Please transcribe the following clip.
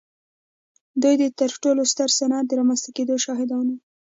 دوی د تر ټولو ستر صنعت د رامنځته کېدو شاهدان وو.